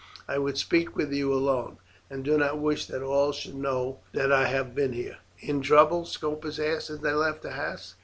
I would speak with you alone, and do not wish that all should know that I have been here." "In trouble?" Scopus asked as they left the house.